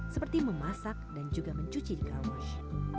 seperti memasak dan juga mencuci di car wash